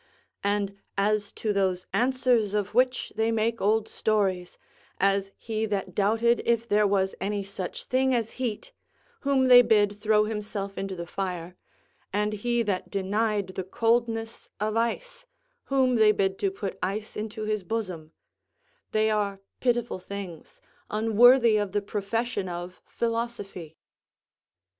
And as to those answers of which they make old stories, as he that doubted if there was any such thing as heat, whom they bid throw himself into the fire; and he that denied the coldness of ice, whom they bid to put ice into his bosom; they are pitiful things, unworthy of the profession of philosophy.